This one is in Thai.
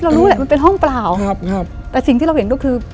เรารู้แหละมันเป็นห้องเปล่าแต่สิ่งที่เราเห็นก็คือ